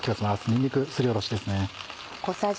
にんにくすりおろしですね。